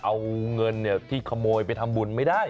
เอาเงินที่ขโมยไปทำบุญไม่ได้